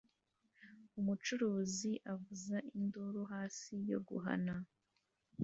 Umucuruzi avuza induru hasi yo guhana